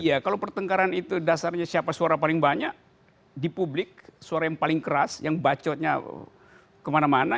iya kalau pertengkaran itu dasarnya siapa suara paling banyak di publik suara yang paling keras yang bacotnya kemana mana